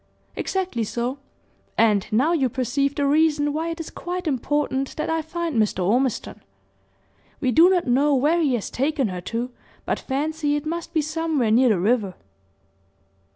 "Exactly so; and now you perceive the reason why it is quite important that I find Mr. Ormiston. We do not know where he has taken her to, but fancy it must be somewhere near the river."